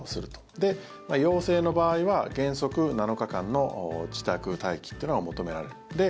で、陽性の場合は原則７日間の自宅待機というのが求められる。